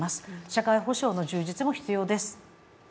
社会保障の充実も必要です。